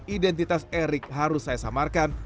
identitas erik harus saya samarkan